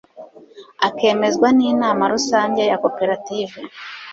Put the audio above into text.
akemezwa n'inama rusange ya koperative